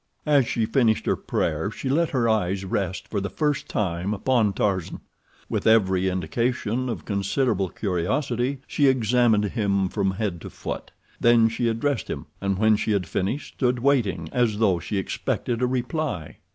As she finished her prayer she let her eyes rest for the first time upon Tarzan. With every indication of considerable curiosity she examined him from head to foot. Then she addressed him, and when she had finished stood waiting, as though she expected a reply.